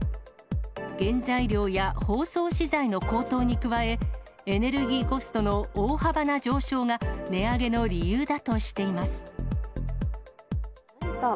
原材料や包装資材の高騰に加え、エネルギーコストの大幅な上昇が、値上げの理由だとしています。